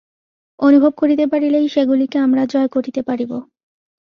অনুভব করিতে পারিলেই সেগুলিকে আমরা জয় করিতে পারিব।